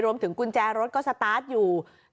กุญแจรถก็สตาร์ทอยู่